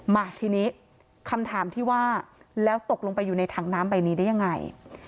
มาทีนี้คำถามที่ว่าแล้วตกลงไปอยู่ในถังน้ำใบนี้ได้ยังไง